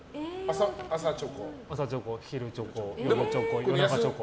朝チョコ、昼チョコ夜チョコ。